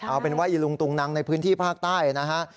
เอาเป็นว่าอีลุงตุงนังในพื้นที่ภาคใต้นะฮะ